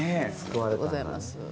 ありがとうございます。